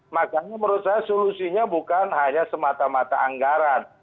makanya menurut saya solusinya bukan hanya semata mata anggaran